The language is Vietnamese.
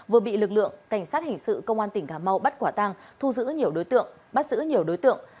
vừa bị lực lượng cảnh sát hình sự công an tỉnh cà mau bắt quả tăng thu giữ nhiều đối tượng bắt giữ nhiều đối tượng